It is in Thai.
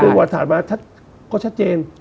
ถ้าเกิดเป็นประวัติศาสตร์มาก็ชัดเจน